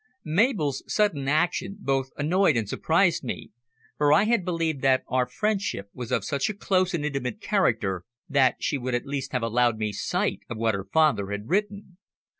Mabel's sudden action both annoyed and surprised me, for I had believed that our friendship was of such a close and intimate character that she would at least have allowed me sight of what her father had written.